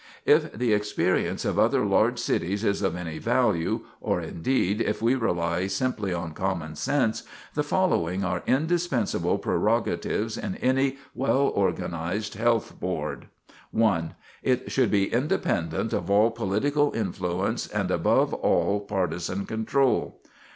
[Sidenote: An Efficient Health Board] If the experience of other large cities is of any value, or, indeed, if we rely simply on common sense, the following are indispensable prerogatives in any well organized health board: 1. It should be independent of all political influence and above all partisan control.